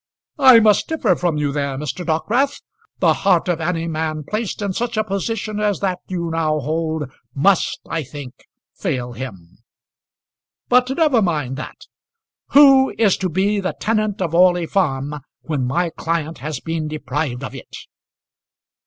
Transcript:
I must differ from you there, Mr. Dockwrath. The heart of any man placed in such a position as that you now hold must, I think, fail him. But never mind that. Who is to be the tenant of Orley Farm when my client has been deprived of it?"